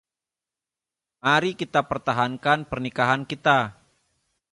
Mari kita pertahankan pernikahan kita.